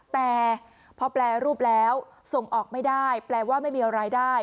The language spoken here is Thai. แต่พอแปรรูปแล้วส่งออกไม่ได้แปลว่าไม่มีรายได้